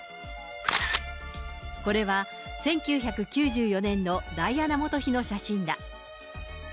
これは１９９４年のダイアナ元妃の写真だ。